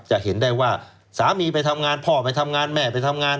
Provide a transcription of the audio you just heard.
จะเห็นได้ว่าสามีไปทำงานพ่อไปทำงานแม่ไปทำงาน